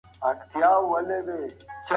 د اوسنۍ فلسفې بنسټونه د علم پر بنسټ ولاړ دي.